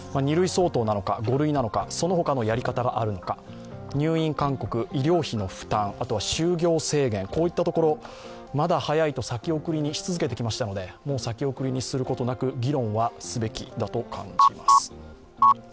Ⅱ類相当なのか、五類なのか、そのほかのやり方があるのか、入院勧告、医療費の負担、それから就業制限、こういったところ、まだ早いと先送りにし続けてきましたのでもう先送りにすることなく議論はすべきだと感じます。